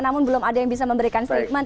namun belum ada yang bisa memberikan statement